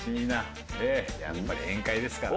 やっぱり宴会ですから。